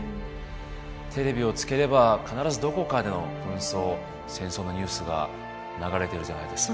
テレビをつければ必ずどこかでの紛争戦争のニュースが流れてるじゃないですか。